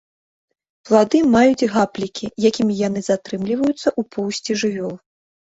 Плады маюць гаплікі, якімі яны затрымліваюцца ў поўсці жывёл.